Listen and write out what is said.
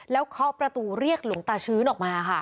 แล้วเคาะประตูเรียกหลวงตาชื้นออกมาค่ะ